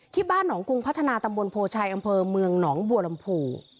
ที่บ้านหนองกรุงพัฒนาตำบลโพชัยอำเภอเมืองหนองบัวลำภู